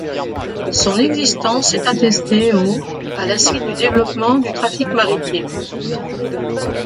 Son existence est attestée au à la suite du développement du trafic maritime.